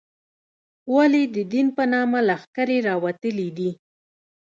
ولې د دین په نامه لښکرې راوتلې دي.